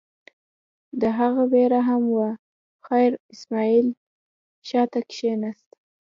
د هغه وېره هم وه، خیر اسماعیل شا ته کېناست.